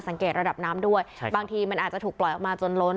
ระดับน้ำด้วยบางทีมันอาจจะถูกปล่อยออกมาจนล้น